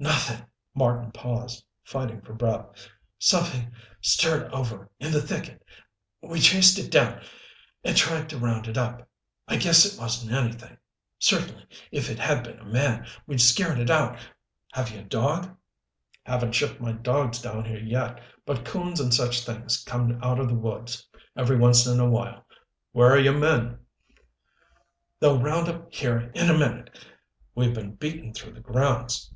"Nothing." Marten paused, fighting for breath. "Something stirred over in the thicket we chased it down and tried to round it up. I guess it wasn't anything certainly if it had been a man we'd scared it out. Have you a dog?" "Haven't shipped my dogs down here yet, but coons and such things come out of the woods every once in a while. Where are your men " "They'll round up here in a minute. We've been beating through the grounds."